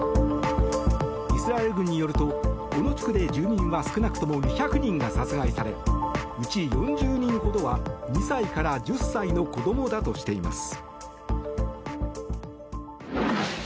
イスラエル軍によるとこの地区で、住民は少なくとも２００人が殺害されうち４０人ほどは２歳から１０歳の子供だとしています。